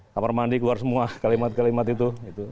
kamar mandi keluar semua kalimat kalimat itu